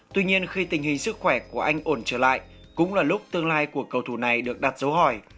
tuy nhiên khi tình hình sức khỏe của anh ổn trở lại cũng là lúc tương lai của cầu thủ này được đặt dấu hỏi